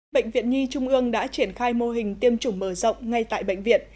bệnh viện nhi trung ương đã triển khai mô hình tiêm chủng mở rộng ngay tại bệnh viện